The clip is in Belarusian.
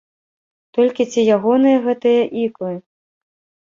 Толькі ці ягоныя гэтыя іклы?